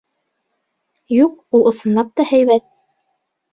Юҡ, ул ысынлап та һәйбәт.